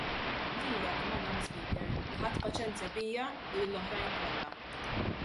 Lilek, Madam Speaker, li ħadt paċenzja bija u lill-oħrajn kollha.